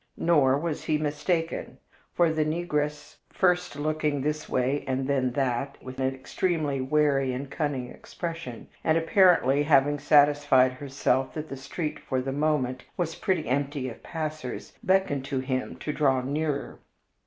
Nor was he mistaken; for the negress, first looking this way and then that, with an extremely wary and cunning expression, and apparently having satisfied herself that the street, for the moment, was pretty empty of passers, beckoned to him to draw nearer.